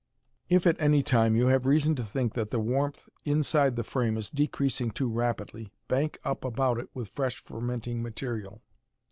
If at any time you have reason to think that the warmth inside the frame is decreasing too rapidly, bank up about it with fresh fermenting material.